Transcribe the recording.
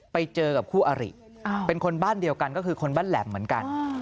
ไปเจอกับคู่อริเป็นคนบ้านเดียวกันก็คือคนบ้านแหลมเหมือนกัน